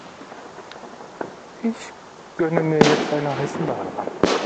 Ich gönne mir jetzt eine heiße Badewanne.